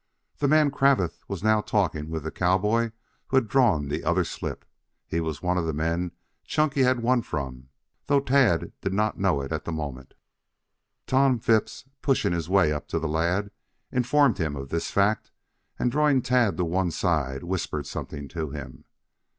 The man Cravath was now talking with the cowboy who had drawn the other slip. He was one of the men Chunky had won from, though Tad did not know it at the moment. Tom Phipps pushing his way up to the lad informed him of this fact, and drawing Tad to one side whispered something to him.